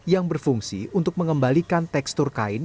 yang berfungsi untuk mengembalikan tekstur kain